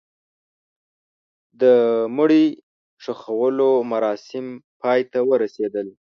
د مړي ښخولو مراسم پای ته ورسېدل.